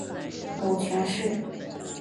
母权氏。